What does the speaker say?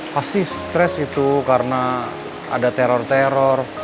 pasti stres itu karena ada teror teror